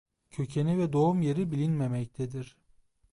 Kökeni ve doğum yeri bilinmemektedir.